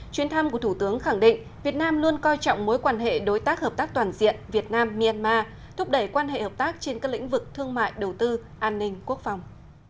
chuyến thăm của thủ tướng khẳng định việt nam luôn coi trọng mối quan hệ đối tác hợp tác toàn diện việt nam myanmar thúc đẩy quan hệ hợp tác trên các lĩnh vực thương mại đầu tư an ninh quốc phòng